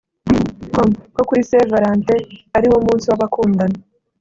com ko kuri Saint Valentin ari wo munsi w'abakundana